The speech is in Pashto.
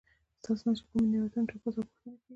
ستاسو نه چې د کومو نعمتونو تپوس او پوښتنه کيږي